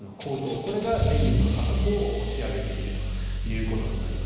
これが電力の価格を押し上げているということになります。